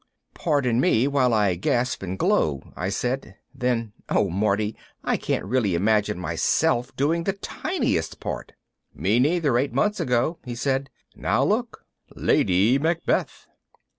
"Pardon me while I gasp and glow," I said. Then, "Oh Marty, I can't really imagine myself doing the tiniest part." "Me neither, eight months ago," he said. "Now, look. Lady Macbeth."